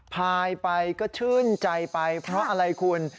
พายไปก็ชื่นใจไปเพราะอะไรคุณ